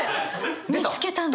見つけたんです。